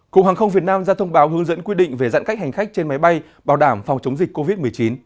cục hàng không việt nam ra thông báo hướng dẫn quy định về giãn cách hành khách trên máy bay bảo đảm phòng chống dịch covid một mươi chín